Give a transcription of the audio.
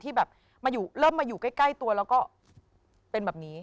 ที่แบบเริ่มมาอยู่ใกล้ตัวแล้วก็เป็นแบบนี้